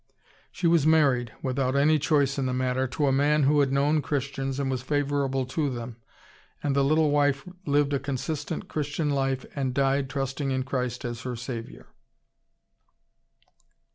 She was married, without any choice in the matter, to a man who had known Christians and was favorable to them, and the little wife lived a consistent Christian life and died trusting in Christ as her Saviour.